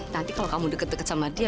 nanti kalau kamu deket deket sama dia